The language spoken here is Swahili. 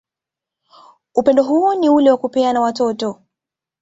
Upendo hou ni ule wa kupeana watoto